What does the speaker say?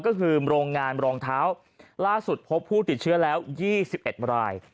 ก็คือโรงงานรองเท้าล่าสุดพบผู้ติดเชื้อแล้ว๒๑ราย